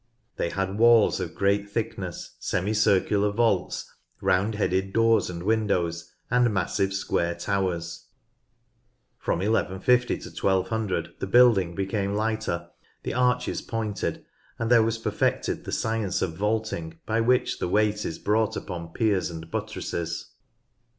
" They had walls of great thickness, semi circular vaults, round headed doors and windows, and massive square towers. From I 150 to 1200 the building became lighter, the arches pointed, and there was perfected the science of vaulting, by which the weight is brought upon piers and buttresses.